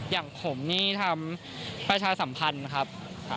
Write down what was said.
อย่างผมนี่ทำประชาสัมพันธ์ครับ